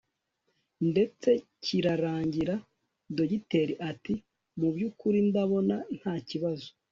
ndetse kirarangira Dogiteri ati mu byukuri ndabona nta kibazo